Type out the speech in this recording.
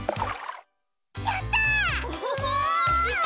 やった！